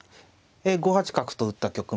え５八角と打った局面です。